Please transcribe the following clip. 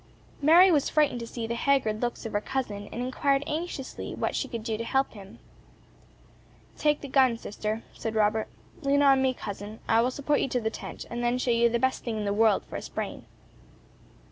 Mary was frightened to see the haggard looks of her cousin, and inquired anxiously what she could do to help him. "Take the gun, sister," said Robert. "Lean on me, cousin, I will support you to the tent, and then show you the best thing in the world for a sprain."